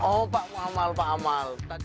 oh pak muamal pak amal